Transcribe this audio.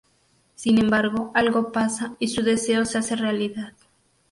Sin embargo, algo pasa, y su deseo se hace realidad.